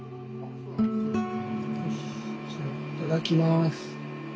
いただきます。